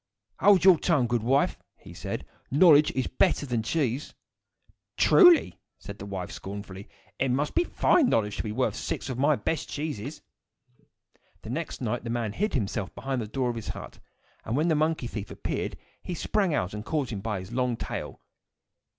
"Hold your tongue, good wife!" he said. "Knowledge is better than cheese." "Truly!" said the wife, scornfully. "It must be a fine knowledge to be worth six of my best cheeses." The next night the man hid himself behind the door of the hut, and when the monkey thief appeared, he sprang out and caught him by his long tail.